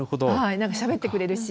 何かしゃべってくれるし。